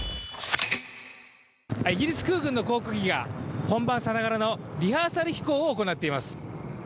イギリス空軍の航空機が本番さながらのリハーサル飛行を行っています。